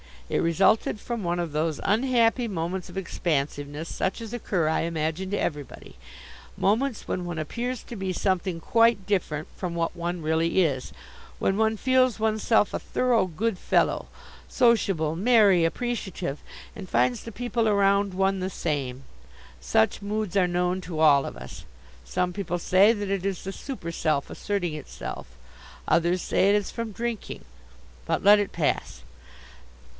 It resulted from one of those unhappy moments of expansiveness such as occur, I imagine, to everybody moments when one appears to be something quite different from what one really is, when one feels oneself a thorough good fellow, sociable, merry, appreciative, and finds the people around one the same. Such moods are known to all of us. Some people say that it is the super self asserting itself. Others say it is from drinking. But let it pass.